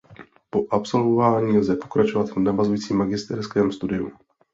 Po absolvování lze pokračovat v navazujícím magisterském studiu.